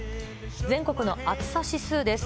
全国の暑さ指数です。